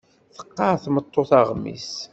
Teqqar tmeṭṭut aɣmis.